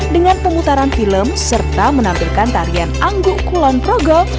dengan pemutaran film serta menampilkan tarian angguk kulon progo